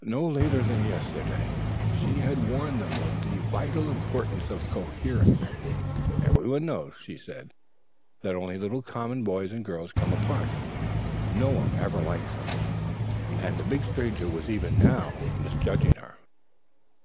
No later than yesterday she had warned them of the vital importance of coherence. "Every one knows," she had said, "that only common little boys and girls come apart. No one ever likes them," and the big stranger was even now misjudging her.